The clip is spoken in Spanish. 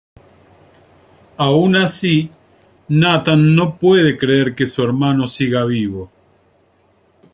Aun así, Nathan no puede creer que su hermano siga vivo.